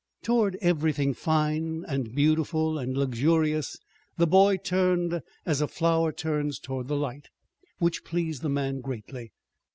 Toward everything fine and beautiful and luxurious the boy turned as a flower turns toward the light, which pleased the man greatly.